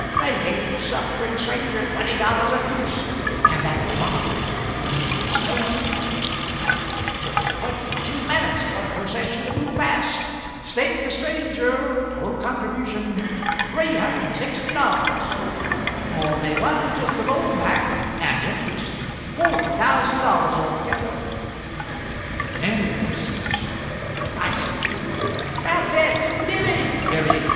They gave the suffering stranger twenty dollars apiece and that remark each in his turn it took twenty two minutes for the procession to move past. Staked the stranger total contribution, $360. All they want is just the loan back and interest forty thousand dollars altogether." Many Voices [derisively.] "That's it! Divvy! divvy!